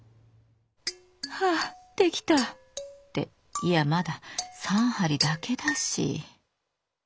「はあ出来た」っていやまだ３針だけだし。